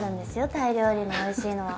タイ料理のおいしいのは。